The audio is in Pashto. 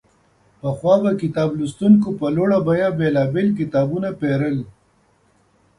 پخوا به کتاب لوستونکو په لوړه بیه بېلابېل کتابونه پېرل.